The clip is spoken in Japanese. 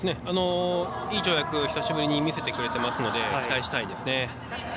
いい跳躍久しぶりに見せてくれてるので期待したいです。